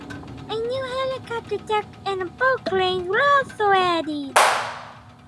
A new helicopter deck and boat cranes were also added.